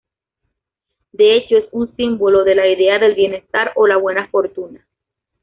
De hecho, es un símbolo de la idea del bienestar o la buena fortuna.